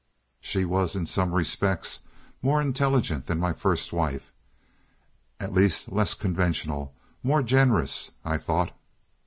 She was in some respects more intelligent than my first wife—at least less conventional, more generous, I thought.